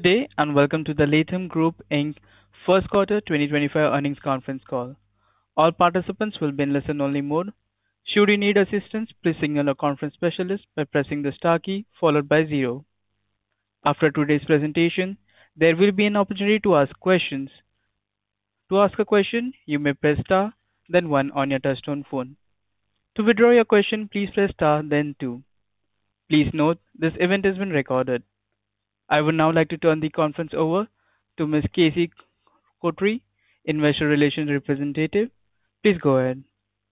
Good day and welcome to the Latham Group First Quarter 2025 earnings conference call. All participants will be in listen-only mode. Should you need assistance, please signal a conference specialist by pressing the *key followed by zero. After today's presentation, there will be an opportunity to ask questions. To ask a question, you may press *, then one on your touch-tone phone. To withdraw your question, please press *, then two. Please note this event has been recorded. I would now like to turn the conference over to Ms. Casey Kotary, Investor Relations Representative. Please go ahead.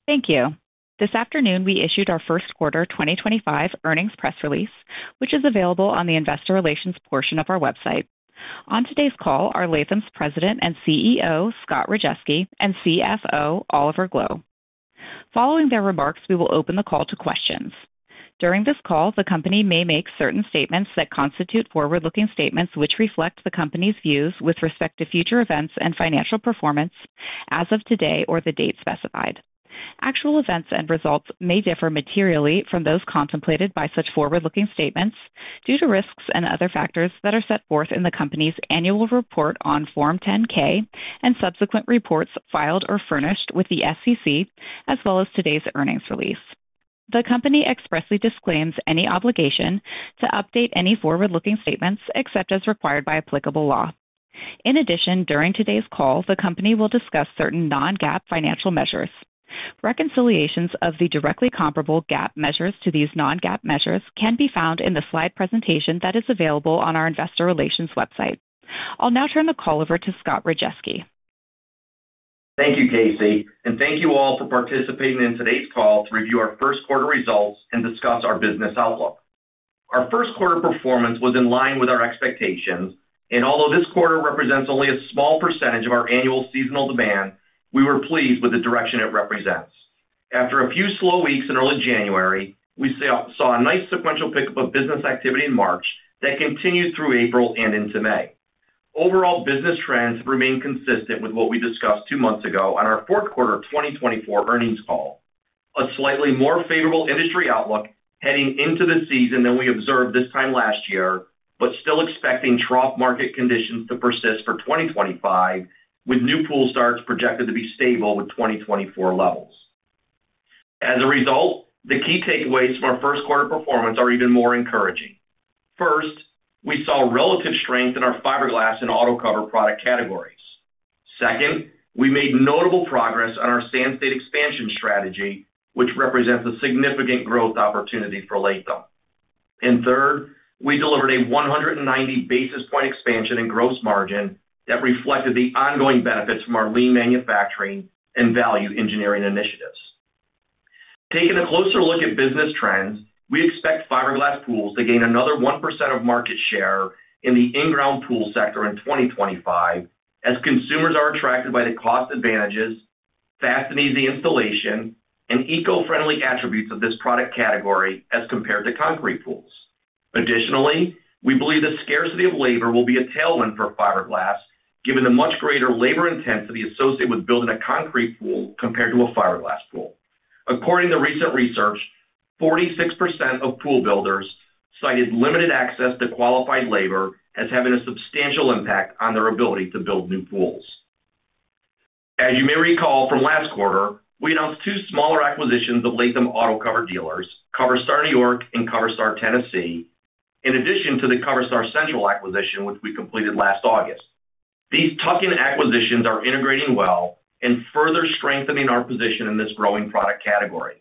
Thank you. This afternoon, we issued our first quarter 2025 earnings press release, which is available on the Investor Relations portion of our website. On today's call are Latham's President and CEO, Scott Rajeski, and CFO, Oliver Gloe. Following their remarks, we will open the call to questions. During this call, the company may make certain statements that constitute forward-looking statements which reflect the company's views with respect to future events and financial performance as of today or the date specified. Actual events and results may differ materially from those contemplated by such forward-looking statements due to risks and other factors that are set forth in the company's annual report on Form 10-K and subsequent reports filed or furnished with the SEC, as well as today's earnings release. The company expressly disclaims any obligation to update any forward-looking statements except as required by applicable law. In addition, during today's call, the company will discuss certain non-GAAP financial measures. Reconciliations of the directly comparable GAAP measures to these non-GAAP measures can be found in the slide presentation that is available on our Investor Relations website. I'll now turn the call over to Scott Rajeski. Thank you, Casey, and thank you all for participating in today's call to review our first quarter results and discuss our business outlook. Our first quarter performance was in line with our expectations, and although this quarter represents only a small percentage of our annual seasonal demand, we were pleased with the direction it represents. After a few slow weeks in early January, we saw a nice sequential pickup of business activity in March that continued through April and into May. Overall, business trends have remained consistent with what we discussed two months ago on our fourth quarter 2024 earnings call: a slightly more favorable industry outlook heading into the season than we observed this time last year, but still expecting trough market conditions to persist for 2025, with new pool starts projected to be stable with 2024 levels. As a result, the key takeaways from our first quarter performance are even more encouraging. First, we saw relative strength in our fiberglass and autocover product categories. Second, we made notable progress on our Sand State expansion strategy, which represents a significant growth opportunity for Latham. Third, we delivered a 190 basis point expansion in gross margin that reflected the ongoing benefits from our lean manufacturing and value engineering initiatives. Taking a closer look at business trends, we expect fiberglass pools to gain another 1% of market share in the inground pool sector in 2025 as consumers are attracted by the cost advantages, fast and easy installation, and eco-friendly attributes of this product category as compared to concrete pools. Additionally, we believe the scarcity of labor will be a tailwind for fiberglass, given the much greater labor intensity associated with building a concrete pool compared to a fiberglass pool. According to recent research, 46% of pool builders cited limited access to qualified labor as having a substantial impact on their ability to build new pools. As you may recall from last quarter, we announced two smaller acquisitions of Latham autocover dealers, CoverStar New York and CoverStar Tennessee, in addition to the CoverStar Central acquisition, which we completed last August. These tuck-in acquisitions are integrating well and further strengthening our position in this growing product category.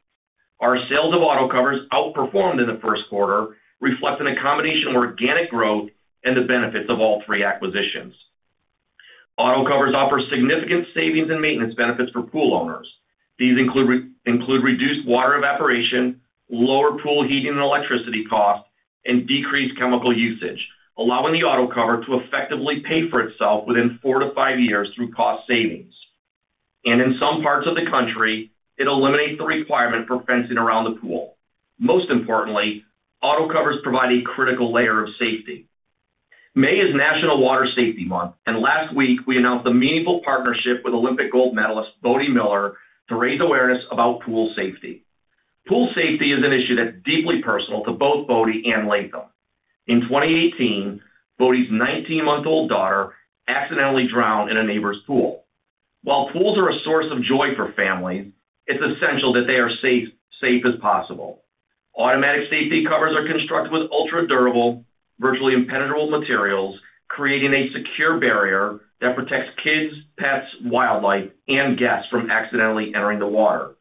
Our sales of autocovers outperformed in the first quarter, reflecting a combination of organic growth and the benefits of all three acquisitions. Autocovers offer significant savings and maintenance benefits for pool owners. These include reduced water evaporation, lower pool heating and electricity costs, and decreased chemical usage, allowing the autocover to effectively pay for itself within four to five years through cost savings. In some parts of the country, it eliminates the requirement for fencing around the pool. Most importantly, autocovers provide a critical layer of safety. May is National Water Safety Month, and last week, we announced a meaningful partnership with Olympic gold medalist Bodie Miller to raise awareness about pool safety. Pool safety is an issue that's deeply personal to both Bodie and Latham. In 2018, Bodie's 19-month-old daughter accidentally drowned in a neighbor's pool. While pools are a source of joy for families, it's essential that they are as safe as possible. Automatic safety covers are constructed with ultra-durable, virtually impenetrable materials, creating a secure barrier that protects kids, pets, wildlife, and guests from accidentally entering the water.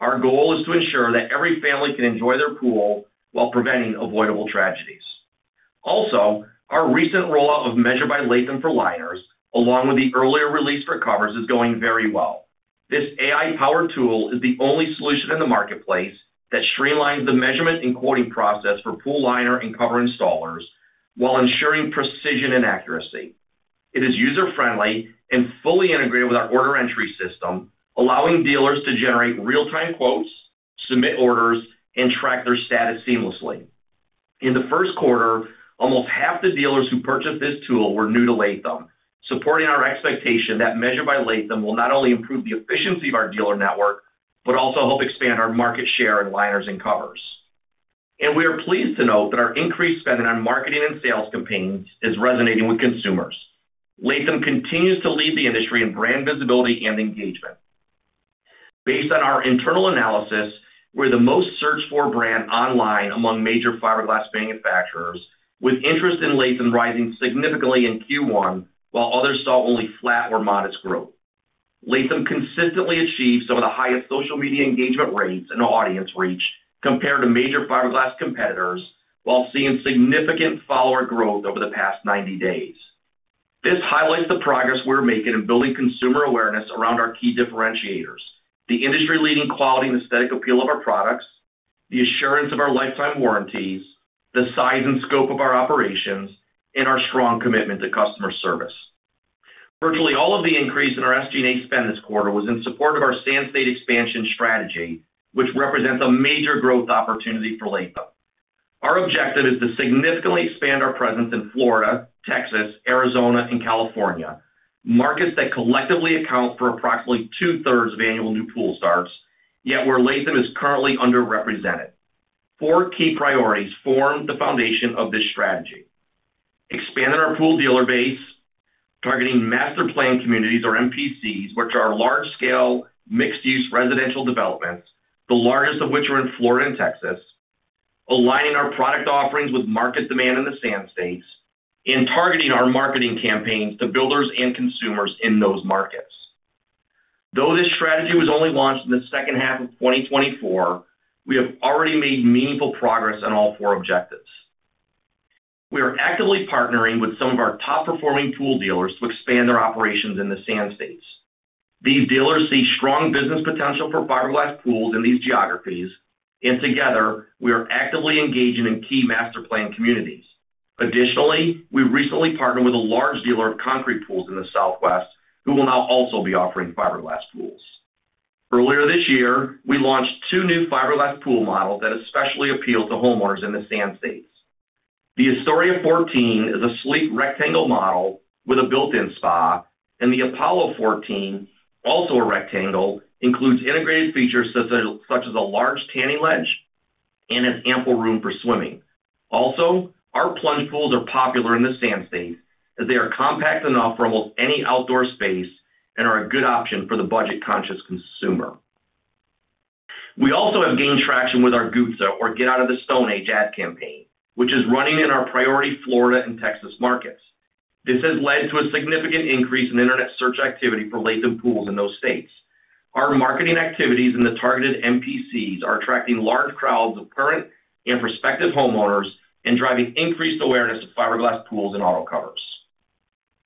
Our goal is to ensure that every family can enjoy their pool while preventing avoidable tragedies. Also, our recent rollout of Measure by Latham for liners, along with the earlier release for covers, is going very well. This AI-powered tool is the only solution in the marketplace that streamlines the measurement and quoting process for pool liner and cover installers while ensuring precision and accuracy. It is user-friendly and fully integrated with our order entry system, allowing dealers to generate real-time quotes, submit orders, and track their status seamlessly. In the first quarter, almost half the dealers who purchased this tool were new to Latham, supporting our expectation that Measure by Latham will not only improve the efficiency of our dealer network but also help expand our market share in liners and covers. We are pleased to note that our increased spending on marketing and sales campaigns is resonating with consumers. Latham continues to lead the industry in brand visibility and engagement. Based on our internal analysis, we're the most searched-for brand online among major fiberglass manufacturers, with interest in Latham rising significantly in Q1, while others saw only flat or modest growth. Latham consistently achieves some of the highest social media engagement rates and audience reach compared to major fiberglass competitors, while seeing significant follower growth over the past 90 days. This highlights the progress we're making in building consumer awareness around our key differentiators: the industry-leading quality and aesthetic appeal of our products, the assurance of our lifetime warranties, the size and scope of our operations, and our strong commitment to customer service. Virtually all of the increase in our SG&A spend this quarter was in support of our Sand State expansion strategy, which represents a major growth opportunity for Latham. Our objective is to significantly expand our presence in Florida, Texas, Arizona, and California, markets that collectively account for approximately two-thirds of annual new pool starts, yet where Latham is currently underrepresented. Four key priorities form the foundation of this strategy: expanding our pool dealer base, targeting master plan communities, or MPCs, which are large-scale mixed-use residential developments, the largest of which are in Florida and Texas, aligning our product offerings with market demand in the Sand States, and targeting our marketing campaigns to builders and consumers in those markets. Though this strategy was only launched in the second half of 2024, we have already made meaningful progress on all four objectives. We are actively partnering with some of our top-performing pool dealers to expand their operations in the Sand States. These dealers see strong business potential for fiberglass pools in these geographies, and together, we are actively engaging in key master plan communities. Additionally, we recently partnered with a large dealer of concrete pools in the Southwest who will now also be offering fiberglass pools. Earlier this year, we launched two new fiberglass pool models that especially appeal to homeowners in the Sand States. The Astoria 14 is a sleek rectangle model with a built-in spa, and the Apollo 14, also a rectangle, includes integrated features such as a large tanning ledge and ample room for swimming. Also, our plunge pools are popular in the Sand States as they are compact enough for almost any outdoor space and are a good option for the budget-conscious consumer. We also have gained traction with our GOOTSA, or Get Out of the Stone Age ad campaign, which is running in our priority Florida and Texas markets. This has led to a significant increase in internet search activity for Latham pools in those states. Our marketing activities and the targeted MPCs are attracting large crowds of current and prospective homeowners and driving increased awareness of fiberglass pools and autocovers.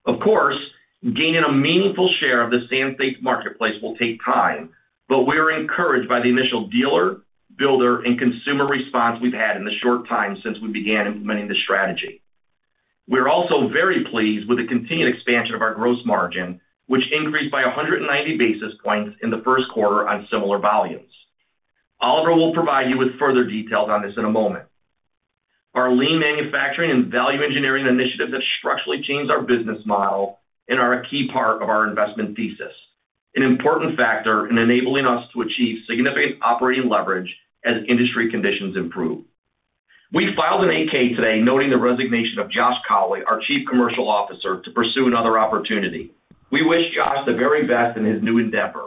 Of course, gaining a meaningful share of the Sand States marketplace will take time, but we are encouraged by the initial dealer, builder, and consumer response we've had in the short time since we began implementing the strategy. We are also very pleased with the continued expansion of our gross margin, which increased by 190 basis points in the first quarter on similar volumes. Oliver will provide you with further details on this in a moment. Our lean manufacturing and value engineering initiative has structurally changed our business model and are a key part of our investment thesis, an important factor in enabling us to achieve significant operating leverage as industry conditions improve. We filed an AK today noting the resignation of Joshua Cowley, our Chief Commercial Officer, to pursue another opportunity. We wish Joshua the very best in his new endeavor.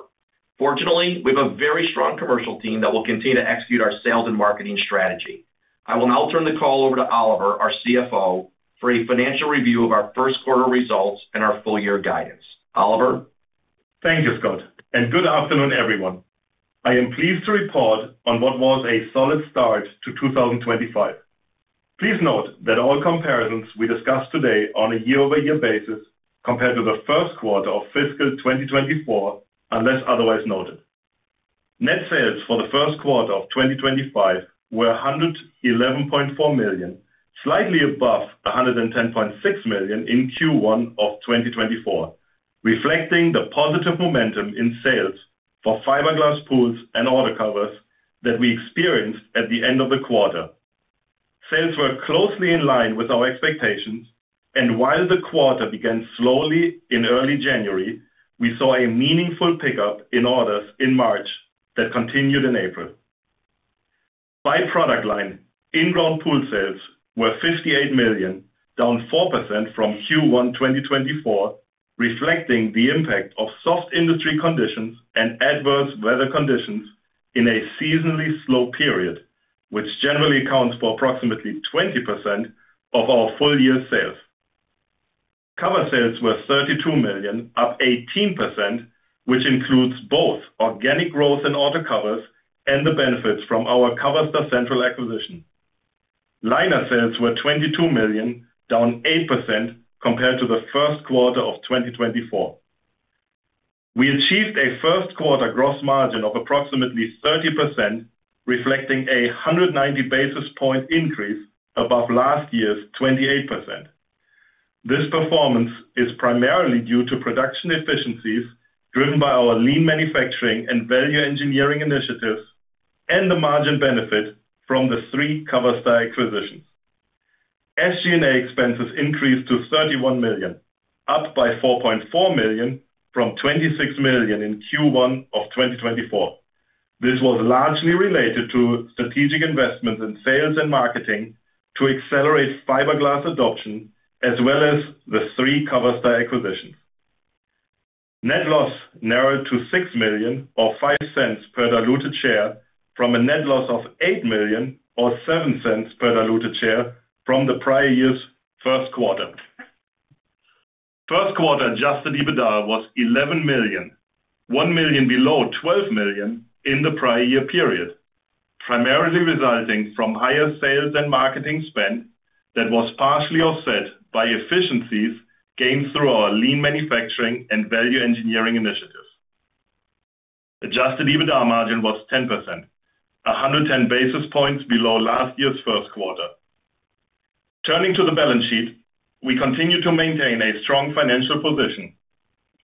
Fortunately, we have a very strong commercial team that will continue to execute our sales and marketing strategy. I will now turn the call over to Oliver, our CFO, for a financial review of our first quarter results and our full-year guidance. Oliver? Thank you, Scott, and good afternoon, everyone. I am pleased to report on what was a solid start to 2025. Please note that all comparisons we discuss today are on a year-over-year basis compared to the first quarter of fiscal 2024, unless otherwise noted. Net sales for the first quarter of 2025 were $111.4 million, slightly above $110.6 million in Q1 of 2024, reflecting the positive momentum in sales for fiberglass pools and autocovers that we experienced at the end of the quarter. Sales were closely in line with our expectations, and while the quarter began slowly in early January, we saw a meaningful pickup in orders in March that continued in April. By product line, inground pool sales were $58 million, down 4% from Q1 2024, reflecting the impact of soft industry conditions and adverse weather conditions in a seasonally slow period, which generally accounts for approximately 20% of our full-year sales. Cover sales were $32 million, up 18%, which includes both organic growth in autocovers and the benefits from our CoverStar Central acquisition. Liner sales were $22 million, down 8% compared to the first quarter of 2024. We achieved a first quarter gross margin of approximately 30%, reflecting a 190 basis point increase above last year's 28%. This performance is primarily due to production efficiencies driven by our lean manufacturing and value engineering initiatives and the margin benefit from the three CoverStar acquisitions. SG&A expenses increased to $31 million, up by $4.4 million from $26 million in Q1 of 2024. This was largely related to strategic investments in sales and marketing to accelerate fiberglass adoption, as well as the three CoverStar acquisitions. Net loss narrowed to $6 million or $0.05 per diluted share from a net loss of $8 million or $0.07 per diluted share from the prior year's first quarter. First quarter adjusted EBITDA was $11 million, $1 million below $12 million in the prior year period, primarily resulting from higher sales and marketing spend that was partially offset by efficiencies gained through our lean manufacturing and value engineering initiatives. Adjusted EBITDA margin was 10%, 110 basis points below last year's first quarter. Turning to the balance sheet, we continue to maintain a strong financial position,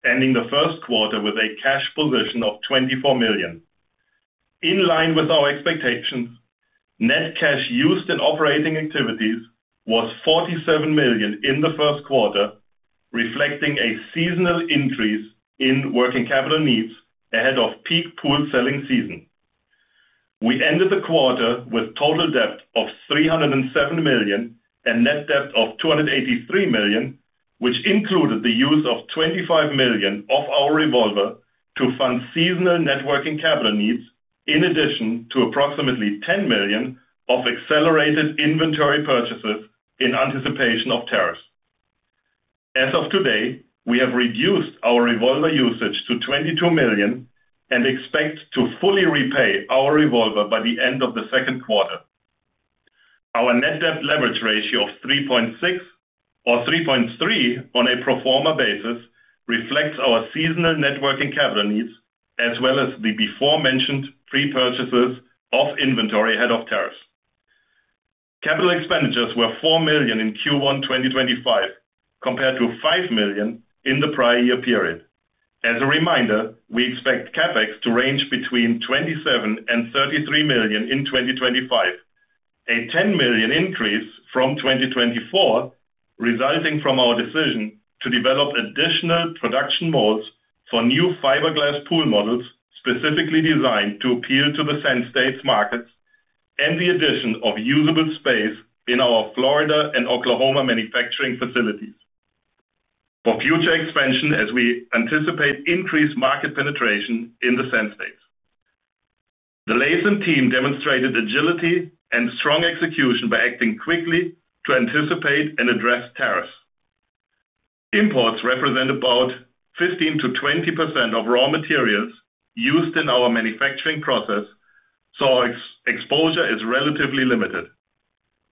ending the first quarter with a cash position of $24 million. In line with our expectations, net cash used in operating activities was $47 million in the first quarter, reflecting a seasonal increase in working capital needs ahead of peak pool selling season. We ended the quarter with total debt of $307 million and net debt of $283 million, which included the use of $25 million of our revolver to fund seasonal net working capital needs, in addition to approximately $10 million of accelerated inventory purchases in anticipation of tariffs. As of today, we have reduced our revolver usage to $22 million and expect to fully repay our revolver by the end of the second quarter. Our net debt leverage ratio of 3.6 or 3.3 on a pro forma basis reflects our seasonal net working capital needs, as well as the before-mentioned pre-purchases of inventory ahead of tariffs. Capital expenditures were $4 million in Q1 2025, compared to $5 million in the prior year period. As a reminder, we expect CapEx to range between $27 million and $33 million in 2025, a $10 million increase from 2024 resulting from our decision to develop additional production malls for new fiberglass pool models specifically designed to appeal to the Sand States markets and the addition of usable space in our Florida and Oklahoma manufacturing facilities for future expansion as we anticipate increased market penetration in the Sand States. The Latham team demonstrated agility and strong execution by acting quickly to anticipate and address tariffs. Imports represent about 15%-20% of raw materials used in our manufacturing process, so our exposure is relatively limited.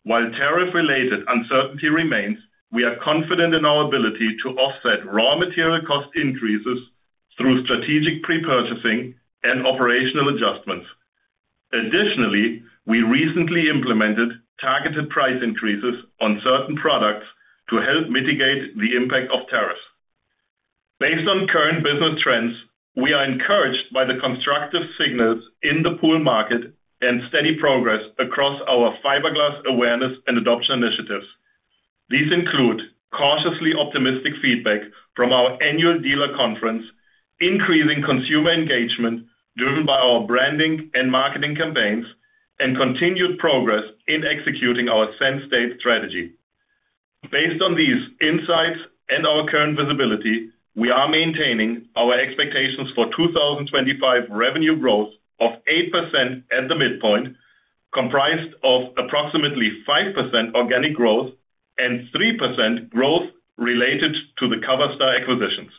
While tariff-related uncertainty remains, we are confident in our ability to offset raw material cost increases through strategic pre-purchasing and operational adjustments. Additionally, we recently implemented targeted price increases on certain products to help mitigate the impact of tariffs. Based on current business trends, we are encouraged by the constructive signals in the pool market and steady progress across our fiberglass awareness and adoption initiatives. These include cautiously optimistic feedback from our annual dealer conference, increasing consumer engagement driven by our branding and marketing campaigns, and continued progress in executing our Sand States strategy. Based on these insights and our current visibility, we are maintaining our expectations for 2025 revenue growth of 8% at the midpoint, comprised of approximately 5% organic growth and 3% growth related to the CoverStar acquisitions.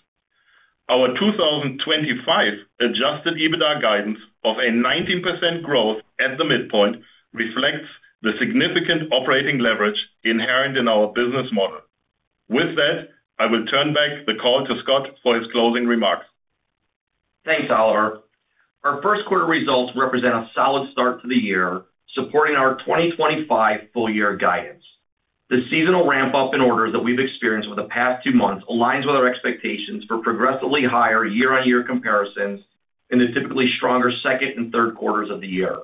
Our 2025 adjusted EBITDA guidance of a 19% growth at the midpoint reflects the significant operating leverage inherent in our business model. With that, I will turn back the call to Scott for his closing remarks. Thanks, Oliver. Our first quarter results represent a solid start to the year, supporting our 2025 full-year guidance. The seasonal ramp-up in orders that we've experienced over the past two months aligns with our expectations for progressively higher year-on-year comparisons in the typically stronger second and third quarters of the year.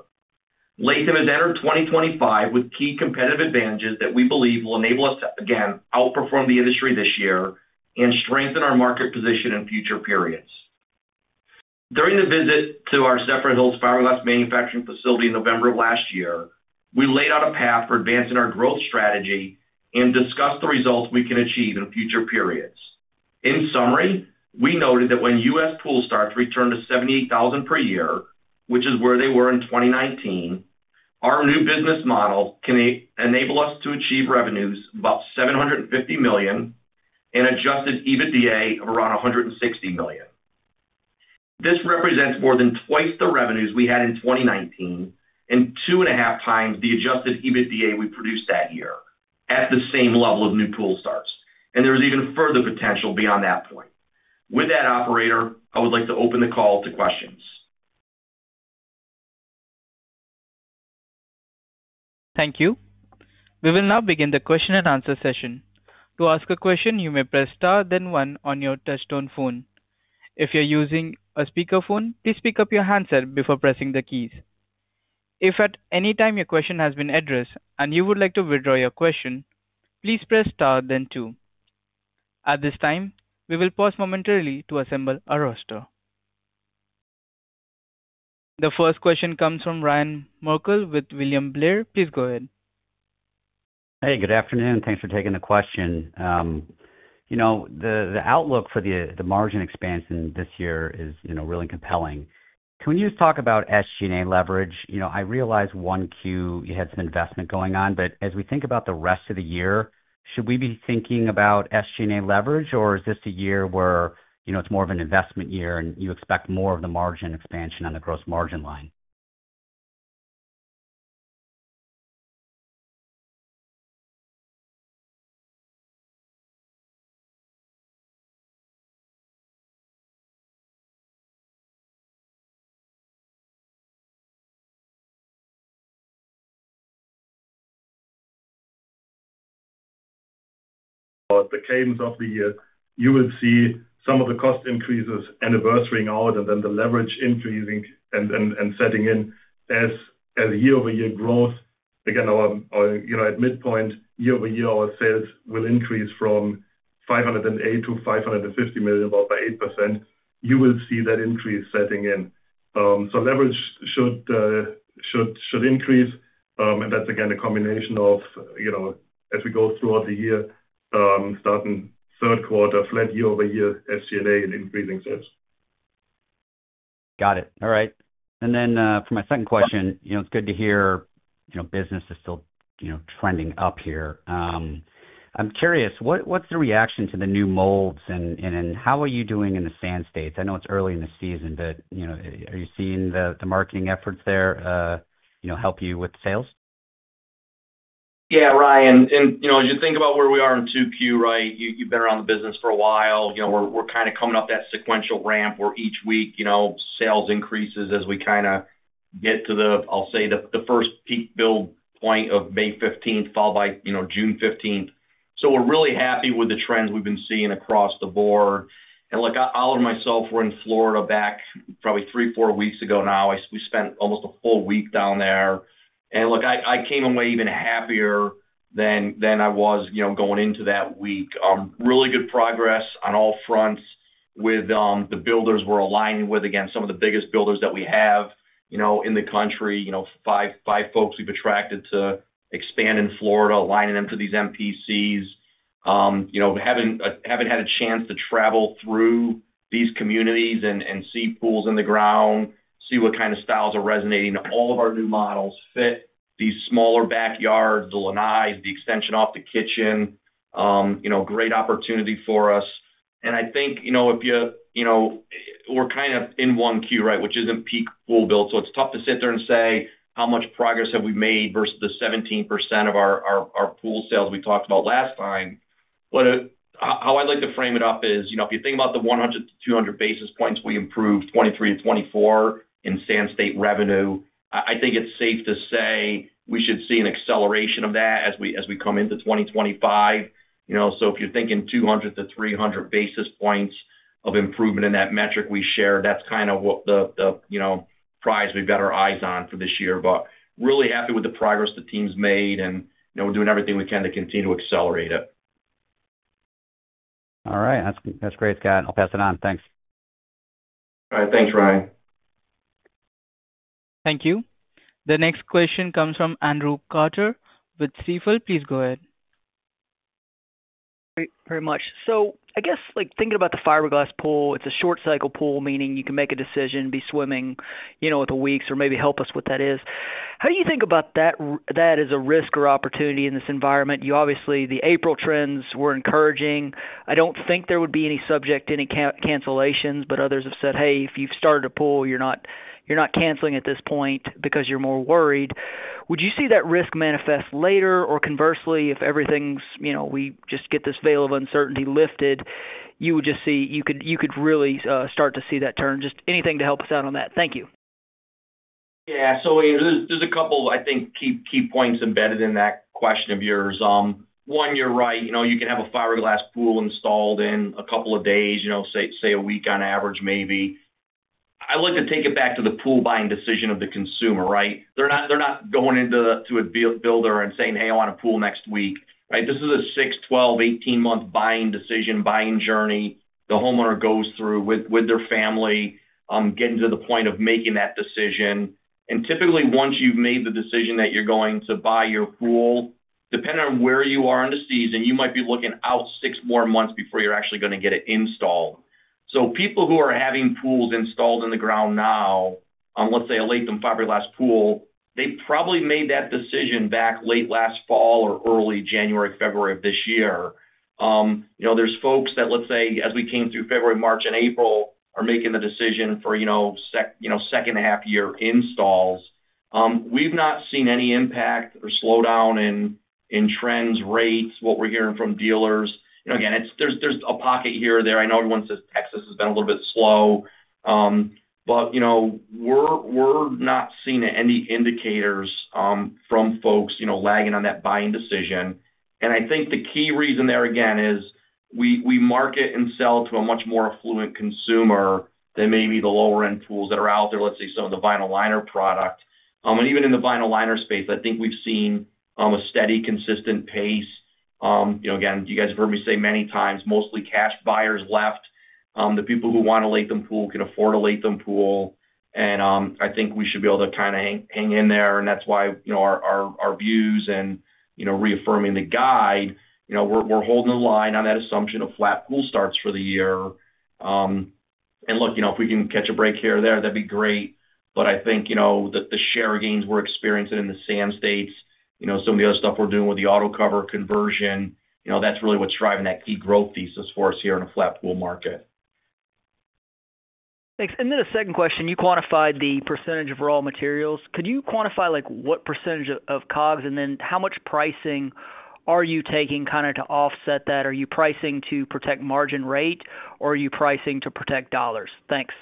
Latham has entered 2025 with key competitive advantages that we believe will enable us to, again, outperform the industry this year and strengthen our market position in future periods. During the visit to our Zephyrhills fiberglass manufacturing facility in November of last year, we laid out a path for advancing our growth strategy and discussed the results we can achieve in future periods. In summary, we noted that when U.S. Pool starts returned to 78,000 per year, which is where they were in 2019, our new business model can enable us to achieve revenues of about $750 million and adjusted EBITDA of around $160 million. This represents more than twice the revenues we had in 2019 and two and a half times the adjusted EBITDA we produced that year at the same level of new pool starts, and there is even further potential beyond that point. With that, Operator, I would like to open the call to questions. Thank you. We will now begin the question and answer session. To ask a question, you may press * then *1 on your touchstone phone. If you're using a speakerphone, please speak up your handset before pressing the keys. If at any time your question has been addressed and you would like to withdraw your question, please press * then *2. At this time, we will pause momentarily to assemble a roster. The first question comes from Ryan Merkel with William Blair. Please go ahead. Hey, good afternoon, and thanks for taking the question. You know, the outlook for the margin expansion this year is really compelling. Can we just talk about SG&A leverage? You know, I realize one Q you had some investment going on, but as we think about the rest of the year, should we be thinking about SG&A leverage, or is this a year where it's more of an investment year and you expect more of the margin expansion on the gross margin line? At the cadence of the year, you will see some of the cost increases and the burst ring out, and then the leverage increasing and setting in as year-over-year growth. Again, at midpoint, year-over-year, our sales will increase from $508 million to $550 million by 8%. You will see that increase setting in. Leverage should increase, and that's, again, a combination of, as we go throughout the year, starting third quarter, flat year-over-year SG&A and increasing sales. Got it. All right. For my second question, it's good to hear business is still trending up here. I'm curious, what's the reaction to the new molds, and how are you doing in the Sand States? I know it's early in the season, but are you seeing the marketing efforts there help you with sales? Yeah, Ryan. And as you think about where we are in Q2, right, you've been around the business for a while. We're kind of coming up that sequential ramp where each week sales increases as we kind of get to the, I'll say, the first peak build point of May 15th, followed by June 15th. We are really happy with the trends we've been seeing across the board. Look, Oliver and myself were in Florida back probably three, four weeks ago now. We spent almost a full week down there. I came away even happier than I was going into that week. Really good progress on all fronts with the builders we're aligning with, again, some of the biggest builders that we have in the country. Five folks we've attracted to expand in Florida, aligning them to these MPCs. Having had a chance to travel through these communities and see pools in the ground, see what kind of styles are resonating. All of our new models fit these smaller backyards, the lanais, the extension off the kitchen. Great opportunity for us. I think if you're kind of in one Q, right, which isn't peak pool build, so it's tough to sit there and say, "How much progress have we made versus the 17% of our pool sales we talked about last time?" How I'd like to frame it up is if you think about the 100-200 basis points we improved 2023 to 2024 in Sand State revenue, I think it's safe to say we should see an acceleration of that as we come into 2025. If you're thinking 200-300 basis points of improvement in that metric we shared, that's kind of the prize we've got our eyes on for this year. Really happy with the progress the team's made and doing everything we can to continue to accelerate it. All right. That's great, Scott. I'll pass it on. Thanks. All right. Thanks, Ryan. Thank you. The next question comes from Andrew Carter with Baird. Please go ahead. Very much. I guess thinking about the fiberglass pool, it's a short-cycle pool, meaning you can make a decision, be swimming within weeks, or maybe help us what that is. How do you think about that as a risk or opportunity in this environment? Obviously, the April trends were encouraging. I don't think there would be any subject to any cancellations, but others have said, "Hey, if you've started a pool, you're not canceling at this point because you're more worried." Would you see that risk manifest later, or conversely, if everything's, we just get this veil of uncertainty lifted, you would just see you could really start to see that turn? Just anything to help us out on that. Thank you. Yeah. There are a couple, I think, key points embedded in that question of yours. One, you're right. You can have a fiberglass pool installed in a couple of days, say a week on average, maybe. I'd like to take it back to the pool buying decision of the consumer, right? They're not going into a builder and saying, "Hey, I want a pool next week." Right? This is a 6, 12, 18-month buying decision, buying journey the homeowner goes through with their family, getting to the point of making that decision. Typically, once you've made the decision that you're going to buy your pool, depending on where you are in the season, you might be looking out six more months before you're actually going to get it installed. People who are having pools installed in the ground now, let's say a Latham fiberglass pool, they probably made that decision back late last fall or early January, February of this year. There's folks that, let's say, as we came through February, March, and April, are making the decision for second-and-a-half-year installs. We've not seen any impact or slowdown in trends, rates, what we're hearing from dealers. Again, there's a pocket here or there. I know everyone says Texas has been a little bit slow, but we're not seeing any indicators from folks lagging on that buying decision. I think the key reason there, again, is we market and sell to a much more affluent consumer than maybe the lower-end pools that are out there, let's say some of the vinyl liner product. Even in the vinyl liner space, I think we've seen a steady, consistent pace. Again, you guys have heard me say many times, mostly cash buyers left. The people who want a Latham pool can afford a Latham pool. I think we should be able to kind of hang in there. That is why our views and reaffirming the guide, we are holding the line on that assumption of flat pool starts for the year. Look, if we can catch a break here or there, that would be great. I think the share gains we are experiencing in the Sand States, some of the other stuff we are doing with the auto cover conversion, that is really what is driving that key growth thesis for us here in the flat pool market. Thanks. Then a second question. You quantified the percentage of raw materials. Could you quantify what percentage of COGS, and then how much pricing are you taking kind of to offset that? Are you pricing to protect margin rate, or are you pricing to protect dollars? Thanks.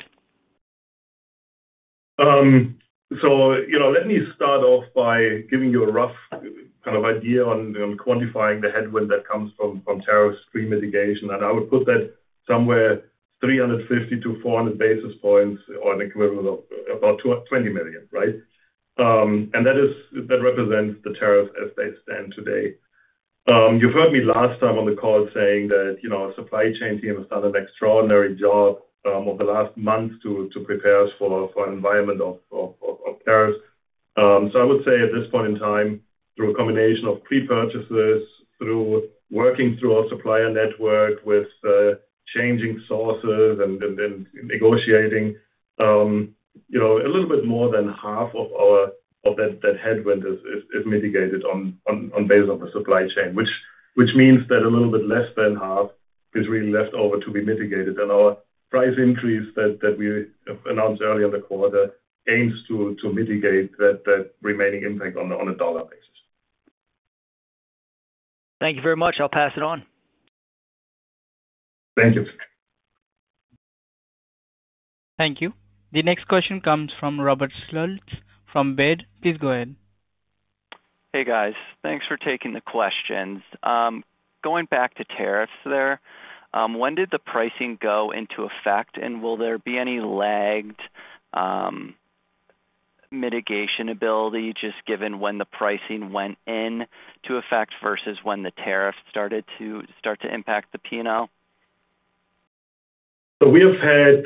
Let me start off by giving you a rough kind of idea on quantifying the headwind that comes from tariffs pre-mitigation. I would put that somewhere 350-400 basis points or an equivalent of about $20 million, right? That represents the tariffs as they stand today. You heard me last time on the call saying that the supply chain team has done an extraordinary job over the last months to prepare us for an environment of tariffs. I would say at this point in time, through a combination of pre-purchases, through working through our supplier network with changing sources and negotiating, a little bit more than half of that headwind is mitigated on base of the supply chain, which means that a little bit less than half is really left over to be mitigated. Our price increase that we announced earlier in the quarter aims to mitigate that remaining impact on a dollar basis. Thank you very much. I'll pass it on. Thank you. Thank you. The next question comes from Robert Schultz from Baird. Please go ahead. Hey, guys. Thanks for taking the questions. Going back to tariffs there, when did the pricing go into effect, and will there be any lagged mitigation ability just given when the pricing went into effect versus when the tariffs started to impact the P&L? We have had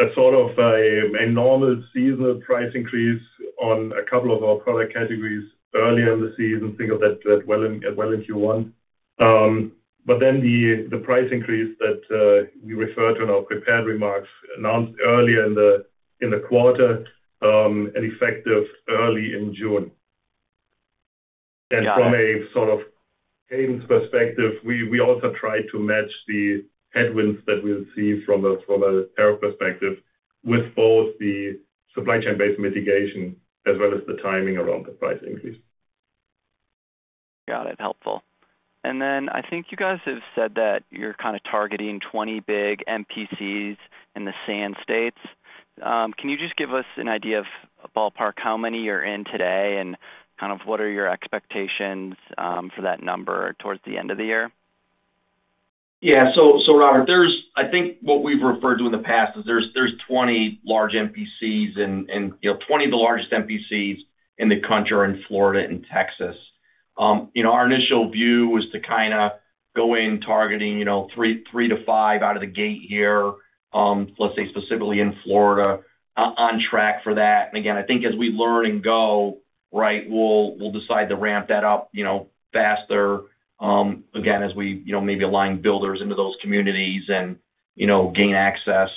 a sort of a normal seasonal price increase on a couple of our product categories earlier in the season. Think of that well in Q1. The price increase that we referred to in our prepared remarks was announced earlier in the quarter and effective early in June. From a sort of cadence perspective, we also tried to match the headwinds that we'll see from a tariff perspective with both the supply chain-based mitigation as well as the timing around the price increase. Got it. Helpful. I think you guys have said that you're kind of targeting 20 big MPCs in the Sand States. Can you just give us an idea of ballpark how many you're in today and kind of what are your expectations for that number towards the end of the year? Yeah. So, Robert, I think what we've referred to in the past is there's 20 large MPCs, and 20 of the largest MPCs in the country are in Florida and Texas. Our initial view was to kind of go in targeting three to five out of the gate here, let's say specifically in Florida, on track for that. Again, I think as we learn and go, right, we'll decide to ramp that up faster, again, as we maybe align builders into those communities and gain access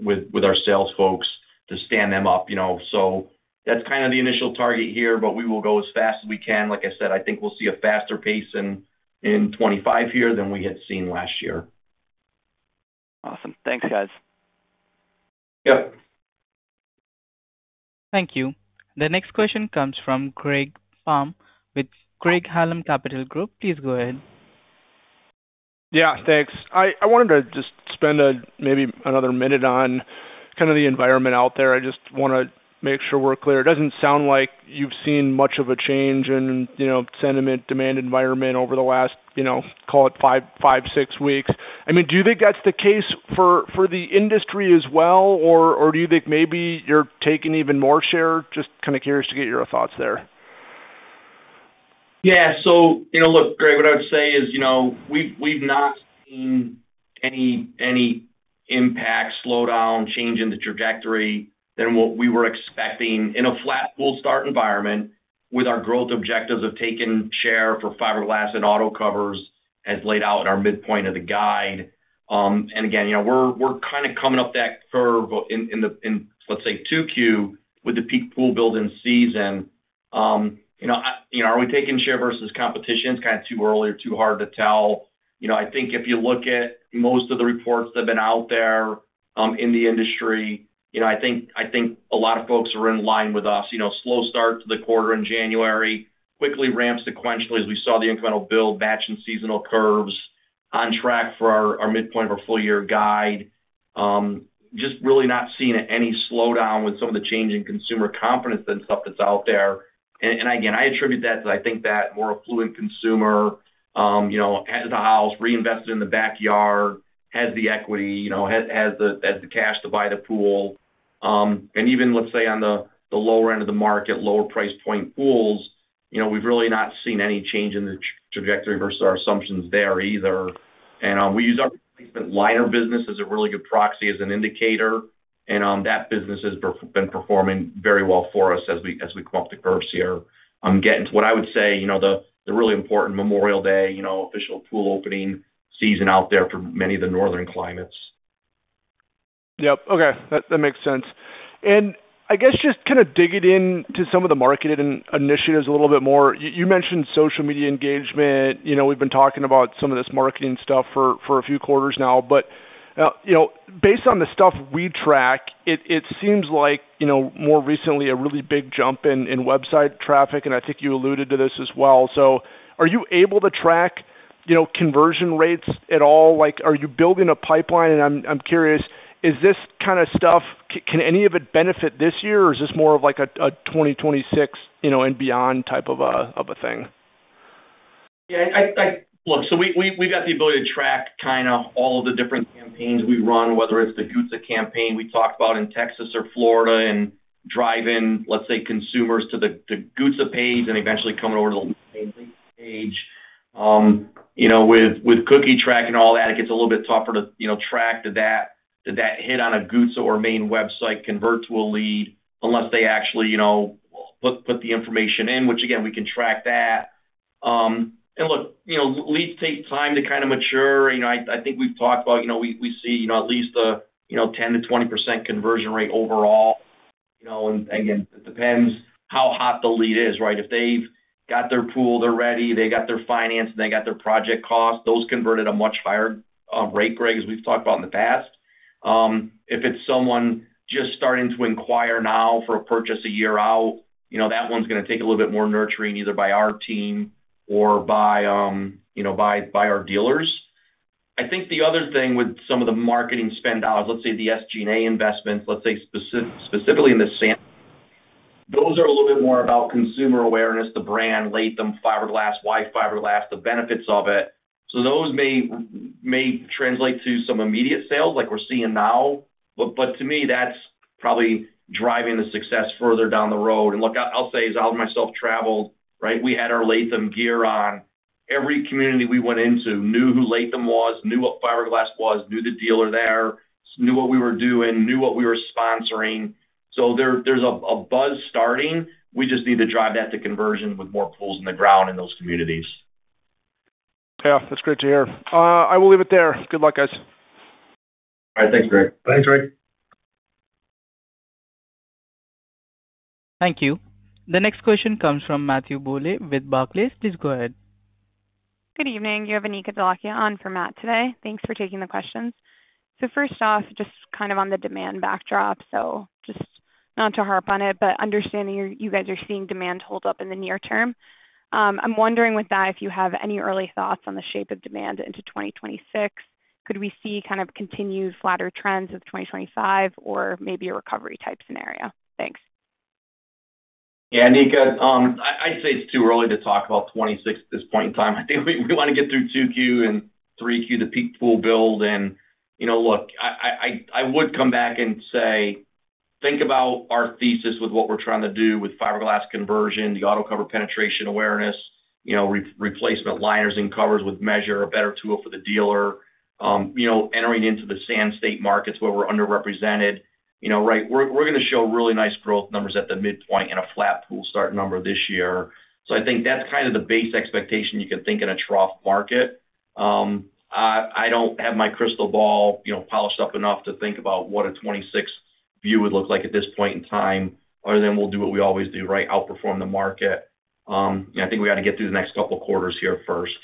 with our sales folks to stand them up. That's kind of the initial target here, but we will go as fast as we can. Like I said, I think we'll see a faster pace in 2025 here than we had seen last year. Awesome. Thanks, guys. Yep. Thank you. The next question comes from Greg Palm with Craig-Hallum Capital Group. Please go ahead. Yeah. Thanks. I wanted to just spend maybe another minute on kind of the environment out there. I just want to make sure we're clear. It doesn't sound like you've seen much of a change in sentiment demand environment over the last, call it, five, six weeks. I mean, do you think that's the case for the industry as well, or do you think maybe you're taking even more share? Just kind of curious to get your thoughts there. Yeah. So look, Greg, what I would say is we've not seen any impact, slowdown, change in the trajectory than what we were expecting in a flat pool start environment with our growth objectives of taking share for fiberglass and auto covers as laid out in our midpoint of the guide. Again, we're kind of coming up that curve in, let's say, Q2 with the peak pool building season. Are we taking share versus competition? It's kind of too early or too hard to tell. I think if you look at most of the reports that have been out there in the industry, I think a lot of folks are in line with us. Slow start to the quarter in January, quickly ramp sequentially as we saw the incremental build matching seasonal curves, on track for our midpoint of our full-year guide. Just really not seeing any slowdown with some of the change in consumer confidence and stuff that's out there. I attribute that to I think that more affluent consumer has the house, reinvested in the backyard, has the equity, has the cash to buy the pool. Even, let's say, on the lower end of the market, lower price point pools, we've really not seen any change in the trajectory versus our assumptions there either. We use our replacement liner business as a really good proxy as an indicator. That business has been performing very well for us as we come up the curve here. Getting to what I would say the really important Memorial Day official pool opening season out there for many of the northern climates. Yep. Okay. That makes sense. I guess just kind of digging into some of the marketing initiatives a little bit more. You mentioned social media engagement. We've been talking about some of this marketing stuff for a few quarters now. Based on the stuff we track, it seems like more recently a really big jump in website traffic. I think you alluded to this as well. Are you able to track conversion rates at all? Are you building a pipeline? I'm curious, is this kind of stuff, can any of it benefit this year, or is this more of a 2026 and beyond type of a thing? Yeah. Look, so we've got the ability to track kind of all of the different campaigns we run, whether it's the GOOTSA campaign we talked about in Texas or Florida and driving, let's say, consumers to the GOOTSA page and eventually coming over to the main page. With cookie track and all that, it gets a little bit tougher to track that hit on a GOOTSA or main website converts to a lead unless they actually put the information in, which again, we can track that. And look, leads take time to kind of mature. I think we've talked about we see at least a 10-20% conversion rate overall. And again, it depends how hot the lead is, right? If they've got their pool, they're ready, they got their finance, and they got their project costs, those convert at a much higher rate, Greg, as we've talked about in the past. If it's someone just starting to inquire now for a purchase a year out, that one's going to take a little bit more nurturing either by our team or by our dealers. I think the other thing with some of the marketing spend out, let's say the SG&A investments, let's say specifically in the Sand States, those are a little bit more about consumer awareness, the brand, Latham, fiberglass, white fiberglass, the benefits of it. Those may translate to some immediate sales like we're seeing now. To me, that's probably driving the success further down the road. Look, I'll say as I myself traveled, right, we had our Latham gear on. Every community we went into knew who Latham was, knew what fiberglass was, knew the dealer there, knew what we were doing, knew what we were sponsoring. There is a buzz starting. We just need to drive that to conversion with more pools in the ground in those communities. Yeah. That's great to hear. I will leave it there. Good luck, guys. All right. Thanks, Greg. Thanks, Greg. Thank you. The next question comes from Yovani Kozlaki with Barclays. Please go ahead. Good evening. Yovani Kozlaki on for Matt today. Thanks for taking the questions. First off, just kind of on the demand backdrop, just not to harp on it, but understanding you guys are seeing demand hold up in the near term. I'm wondering with that if you have any early thoughts on the shape of demand into 2026. Could we see kind of continued flatter trends of 2025 or maybe a recovery-type scenario? Thanks. Yeah. Nico, I'd say it's too early to talk about 2026 at this point in time. I think we want to get through Q2 and Q3, the peak pool build. Look, I would come back and say, think about our thesis with what we're trying to do with fiberglass conversion, the auto cover penetration awareness, replacement liners and covers with Measure, a better tool for the dealer, entering into the Sand State markets where we're underrepresented, right? We're going to show really nice growth numbers at the midpoint and a flat pool start number this year. I think that's kind of the base expectation you can think in a trough market. I don't have my crystal ball polished up enough to think about what a 2026 view would look like at this point in time other than we'll do what we always do, right? Outperform the market. I think we got to get through the next couple of quarters here first.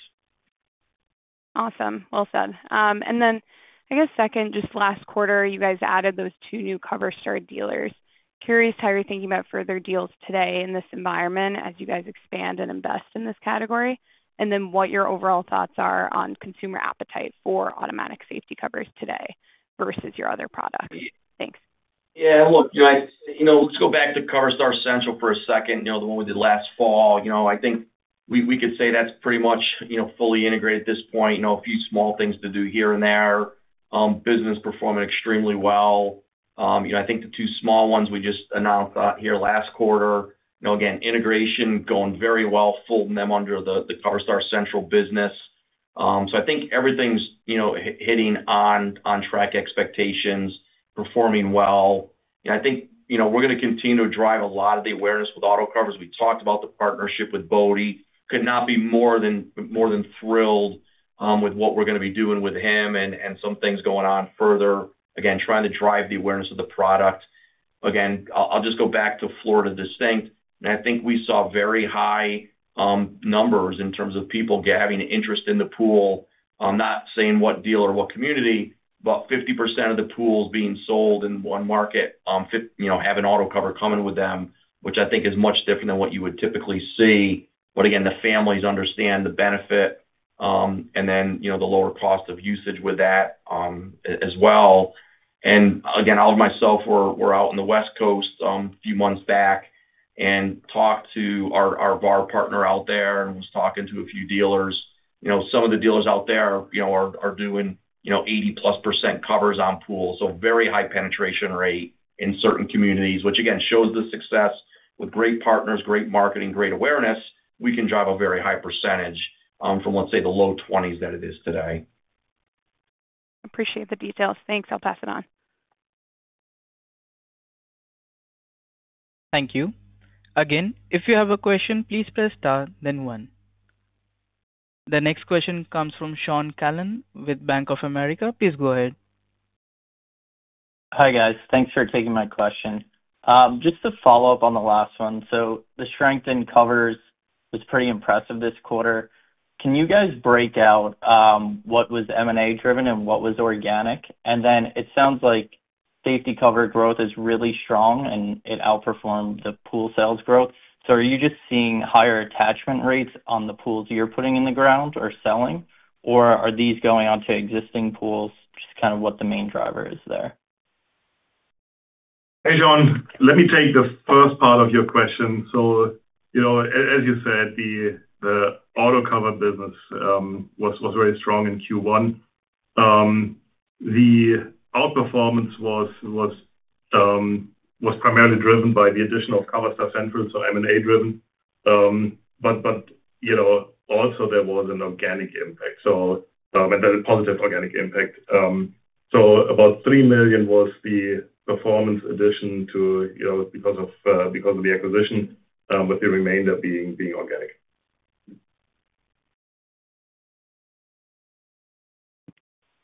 Awesome. Well said. I guess second, just last quarter, you guys added those two new CoverStar dealers. Curious how you're thinking about further deals today in this environment as you guys expand and invest in this category, and then what your overall thoughts are on consumer appetite for automatic safety covers today versus your other products. Thanks. Yeah. Look, let's go back to CoverStar Central for a second, the one we did last fall. I think we could say that's pretty much fully integrated at this point. A few small things to do here and there. Business performing extremely well. I think the two small ones we just announced here last quarter, again, integration going very well, folding them under the CoverStar Central business. I think everything's hitting on track expectations, performing well. I think we're going to continue to drive a lot of the awareness with auto covers. We talked about the partnership with Bodie. Could not be more than thrilled with what we're going to be doing with him and some things going on further, again, trying to drive the awareness of the product. Again, I'll just go back to Florida distinct. I think we saw very high numbers in terms of people having interest in the pool. I'm not saying what deal or what community, but 50% of the pools being sold in one market have an auto cover coming with them, which I think is much different than what you would typically see. Again, the families understand the benefit and then the lower cost of usage with that as well. I was myself, we were out in the West Coast a few months back and talked to our bar partner out there and was talking to a few dealers. Some of the dealers out there are doing 80-plus % covers on pools. Very high penetration rate in certain communities, which again shows the success with great partners, great marketing, great awareness. We can drive a very high percentage from, let's say, the low 20s that it is today. Appreciate the details. Thanks. I'll pass it on. Thank you. Again, if you have a question, please press *, then one. The next question comes from Sean Callan with Bank of America. Please go ahead. Hi guys. Thanks for taking my question. Just to follow up on the last one. The strength in covers was pretty impressive this quarter. Can you guys break out what was M&A-driven and what was organic? It sounds like safety cover growth is really strong and it outperformed the pool sales growth. Are you just seeing higher attachment rates on the pools you're putting in the ground or selling, or are these going on to existing pools? Just kind of what the main driver is there. Hey, Sean. Let me take the first part of your question. As you said, the auto cover business was very strong in Q1. The outperformance was primarily driven by the addition of CoverStar Central, so M&A-driven. There was also an organic impact, a positive organic impact. About $3 million was the performance addition because of the acquisition, with the remainder being organic.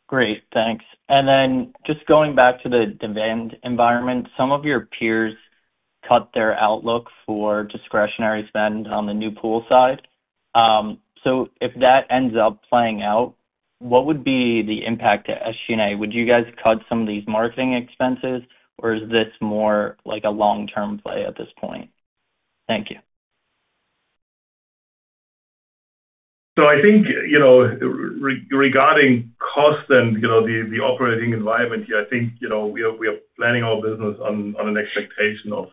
Great. Thanks. Then just going back to the demand environment, some of your peers cut their outlook for discretionary spend on the new pool side. If that ends up playing out, what would be the impact to SG&A? Would you guys cut some of these marketing expenses, or is this more like a long-term play at this point? Thank you. I think regarding cost and the operating environment here, I think we are planning our business on an expectation of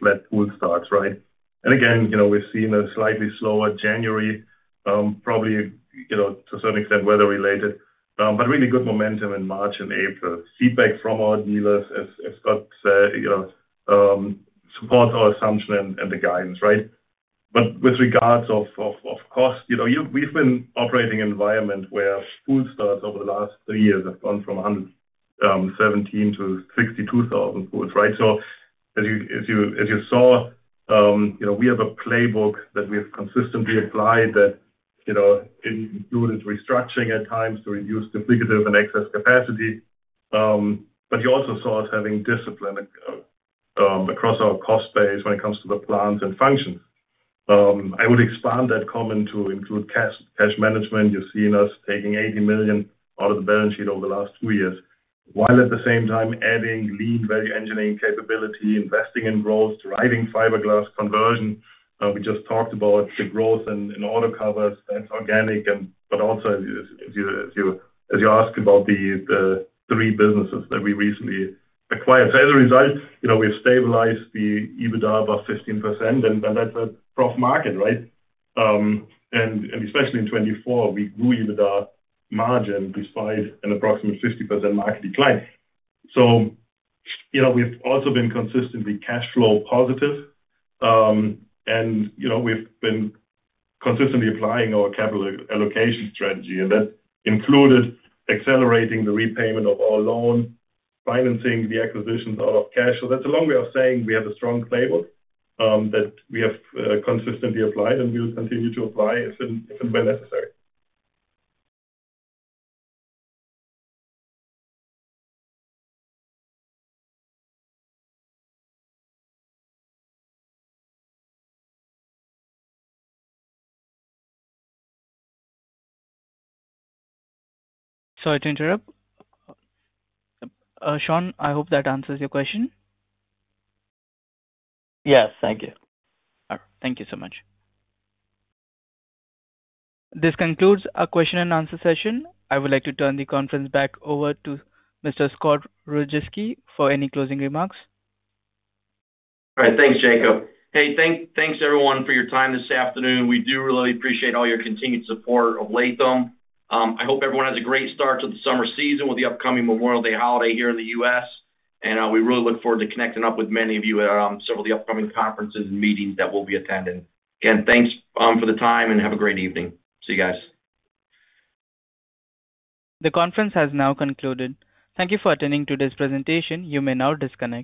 flat pool starts, right? Again, we've seen a slightly slower January, probably to a certain extent weather-related, but really good momentum in March and April. Feedback from our dealers, as Scott said, supports our assumption and the guidance, right? With regards to cost, we've been operating in an environment where pool starts over the last three years have gone from 117,000 to 62,000 pools, right? As you saw, we have a playbook that we have consistently applied that included restructuring at times to reduce duplicative and excess capacity. You also saw us having discipline across our cost base when it comes to the plans and functions. I would expand that comment to include cash management. You've seen us taking $80 million out of the balance sheet over the last two years, while at the same time adding lean value engineering capability, investing in growth, driving fiberglass conversion. We just talked about the growth in auto covers. That's organic. As you asked about the three businesses that we recently acquired, as a result, we've stabilized the EBITDA above 15%, and that's a rough market, right? Especially in 2024, we grew EBITDA margin despite an approximate 50% market decline. We've also been consistently cash flow positive, and we've been consistently applying our capital allocation strategy. That included accelerating the repayment of our loan, financing the acquisitions out of cash. That's a long way of saying we have a strong playbook that we have consistently applied, and we will continue to apply if and when necessary. Sorry to interrupt. Sean, I hope that answers your question. Yes. Thank you. All right. Thank you so much. This concludes our question and answer session. I would like to turn the conference back over to Mr. Scott Rajeski for any closing remarks. All right. Thanks, Jacob. Hey, thanks everyone for your time this afternoon. We do really appreciate all your continued support of Latham. I hope everyone has a great start to the summer season with the upcoming Memorial Day holiday here in the U.S. We really look forward to connecting up with many of you at several of the upcoming conferences and meetings that we'll be attending. Again, thanks for the time, and have a great evening. See you guys. The conference has now concluded. Thank you for attending today's presentation. You may now disconnect.